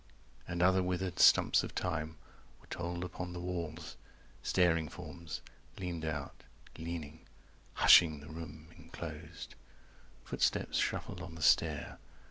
And other withered stumps of time Were told upon the walls; staring forms Leaned out, leaning, hushing the room enclosed. Footsteps shuffled on the stair.